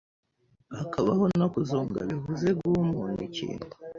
hakabaho no kuzunga bivuze guha umuntu ikintu.